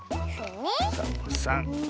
サボさん。